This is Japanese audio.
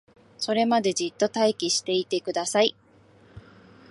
それまでじっと待機していてください